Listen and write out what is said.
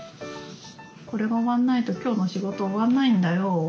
これが終わんないと今日の仕事終わんないんだよ。